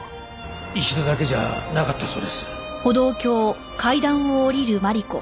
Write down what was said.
一度だけじゃなかったそうです。